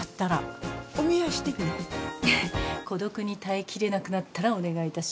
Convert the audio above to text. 孤独に耐え切れなくなったらお願いいたします。